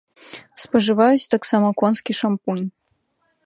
Спажываюць таксама конскі шампунь.